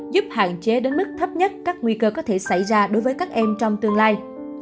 giúp hạn chế đến mức thấp nhất các nguy cơ có thể xảy ra đối với các em trong tương lai